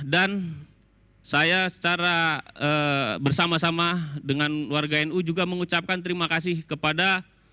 dan saya secara bersama sama dengan warga nu juga mengucapkan terima kasih kepada